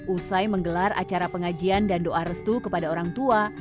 usai menggelar acara pengajian dan doa restu kepada orang tua